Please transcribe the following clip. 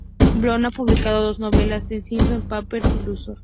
Blom ha publicado dos novelas: "The Simmons Papers" y "Luxor".